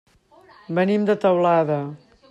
Venim de Teulada.